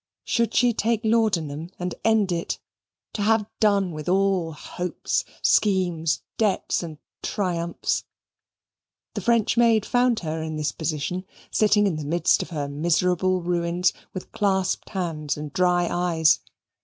Should she take laudanum, and end it, to have done with all hopes, schemes, debts, and triumphs? The French maid found her in this position sitting in the midst of her miserable ruins with clasped hands and dry eyes.